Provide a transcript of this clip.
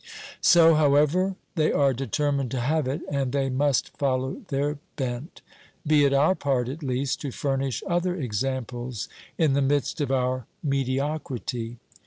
So, however, they are determined to have it, and they must follow their bent. Be it our part, at least, to furnish other examples in the midst of our mediocrity